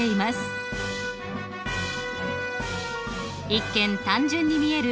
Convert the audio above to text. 一見単純に見える